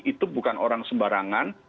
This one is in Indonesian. itu bukan orang sembarangan